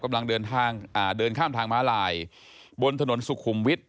กำลังเดินข้ามทางมาลายบนถนนสุขุมวิทย์